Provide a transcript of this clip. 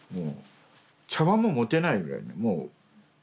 茶わんも持てないぐらいにもう。